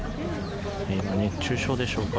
熱中症でしょうか。